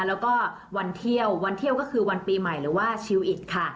แล้วก็วันเที่ยววันเที่ยวก็คือวันปีใหม่หรือว่าชิลอิดค่ะ